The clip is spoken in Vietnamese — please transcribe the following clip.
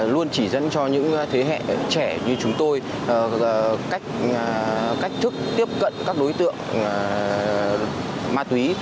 luôn chỉ dẫn cho những thế hệ trẻ như chúng tôi cách thức tiếp cận các đối tượng ma túy